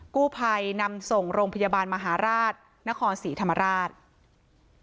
กู้ภัยนำส่งโรงพยาบาลมหาราชนครศรีธรรมราช